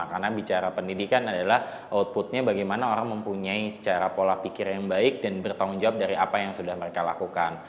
karena bicara pendidikan adalah outputnya bagaimana orang mempunyai secara pola pikir yang baik dan bertanggung jawab dari apa yang sudah mereka lakukan